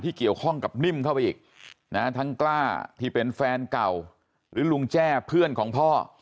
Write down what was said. เกี่ยวข้องกับนิ่มเข้าไปอีกนะทั้งกล้าที่เป็นแฟนเก่าหรือลุงแจ้เพื่อนของพ่อ